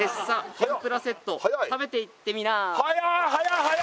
「天ぷらセット食べていってなぁ！」